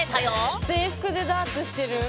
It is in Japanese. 制服でダーツしてる！